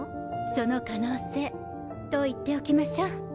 その可能性と言っておきましょう。